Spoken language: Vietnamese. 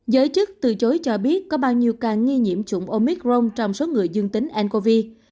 giới chức từ chối cho biết có bao nhiêu ca nghi nhiễm chủng omic rong trong số người dương tính ncov